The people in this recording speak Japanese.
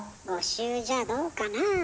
５周じゃどうかな。